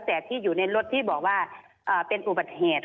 แต่ที่อยู่ในรถที่บอกว่าเป็นอุบัติเหตุ